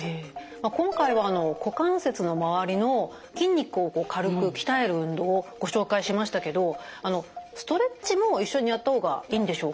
今回は股関節の周りの筋肉を軽く鍛える運動をご紹介しましたけどストレッチも一緒にやった方がいいんでしょうか？